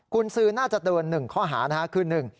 กุญสือน่าจะเตือน๑ข้อหานะคือ๑